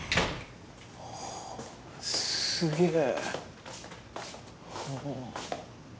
おすげえ。